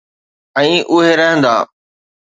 ۽ اھي رھندا.